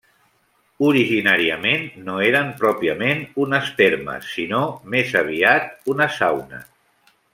Originàriament no eren pròpiament unes termes, sinó més aviat una sauna.